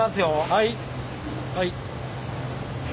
はい。